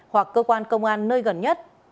hoặc cơ quan công an nơi gần nhất